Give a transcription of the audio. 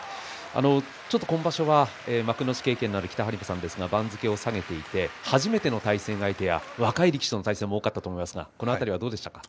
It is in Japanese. ちょっと今場所は幕内経験のある北はり磨さんですが番付を下げていて初めての対戦相手や若い力士との対戦相手が多かったと思いますがどうですか。